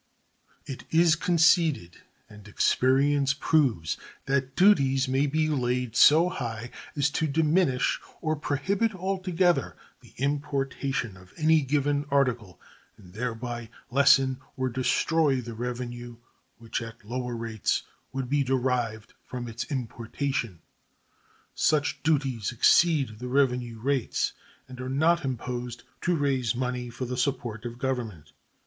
It is conceded, and experience proves, that duties may be laid so high as to diminish or prohibit altogether the importation of any given article, and thereby lessen or destroy the revenue which at lower rates would be derived from its importation. Such duties exceed the revenue rates and are not imposed to raise money for the support of Government.